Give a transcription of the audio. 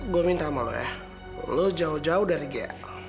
gue minta sama lo ya lo jauh jauh dari gue